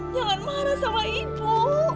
jangan marah sama ibu